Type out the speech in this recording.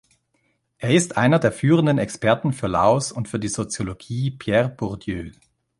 Er ist einer der führenden Experten für Laos und für die Soziologie Pierre Bourdieus.